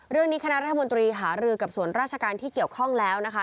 คณะรัฐมนตรีหารือกับส่วนราชการที่เกี่ยวข้องแล้วนะคะ